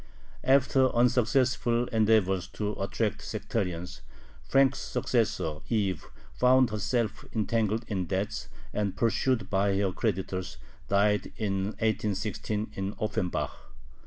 After unsuccessful endeavors to attract sectarians, Frank's successor, Eve, found herself entangled in debts, and, pursued by her creditors, died in 1816 in Offenbach.